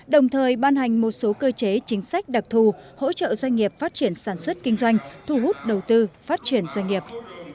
đồng thời ban hành một số cơ chế chính sách đặc thù hỗ trợ doanh nghiệp phát triển sản xuất kinh doanh thu hút đầu tư phát triển doanh nghiệp